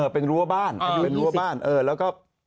เป็นรั้วหนึ่ง